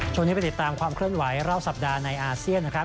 ช่วงนี้ไปติดตามความเคลื่อนไหวรอบสัปดาห์ในอาเซียนนะครับ